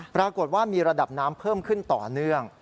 ปรากฏว่ามีระดับน้ำเพิ่มขึ้นต่อเนื่อง